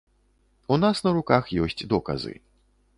У нас на руках ёсць доказы.